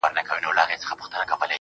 په خپلو اوښکو_